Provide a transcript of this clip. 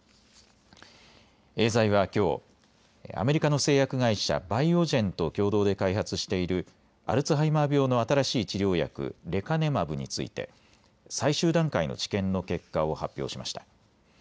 エーザイはきょう、アメリカの製薬会社、バイオジェンと共同で開発しているアルツハイマー病の新しい治療薬、レカネマブについて最終段階の治験の結果を発表しました。